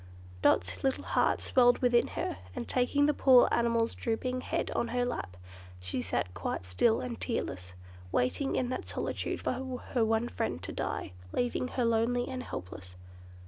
Dot's little heart swelled within her, and taking the poor animal's drooping head on her lap, she sat quite still and tearless; waiting in that solitude for her one friend to die—leaving her lonely and helpless.